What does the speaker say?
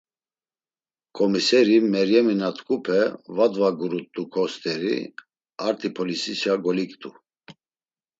Ǩomiseri Meryemi na t̆ǩupe va dvagurt̆uǩo st̆eri arti polisişa goliktu.